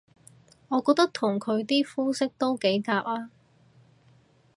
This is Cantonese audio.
我覺得同佢啲膚色都幾夾吖